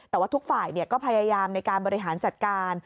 แต่ว่าทุกฝ่ายก็พยายามในการบริหารจัดการ